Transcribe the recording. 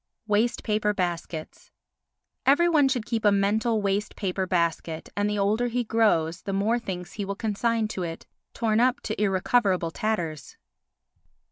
Waste Paper Baskets Every one should keep a mental waste paper basket and the older he grows the more things he will consign to it—torn up to irrecoverable tatters.